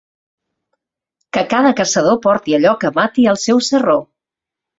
Que cada caçador porti allò que mati al seu sarró.